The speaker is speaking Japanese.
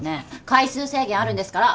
回数制限あるんですから！